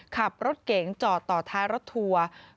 ขับรถเก๋งจอดต่อท้ายรถทัวร์